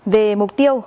về mục tiêu